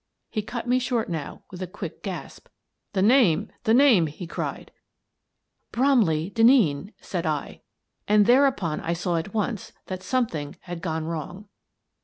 He cut me short now with a quick gasp. "The name! The name!" he cried. " Bromley Denneen," said I. And thereupon I saw at once that something had gone wrong.